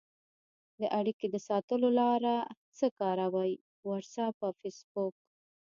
د اړیکې د ساتلو لاره څه کاروئ؟ واټساپ او فیسبوک